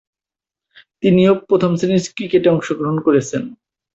তিনিও প্রথম-শ্রেণীর ক্রিকেটে অংশগ্রহণ করেছেন।